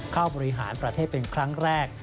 บริหารประเทศเป็นครั้งแรก